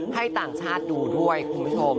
ให้ต่างชาติดูด้วยคุณผู้ชม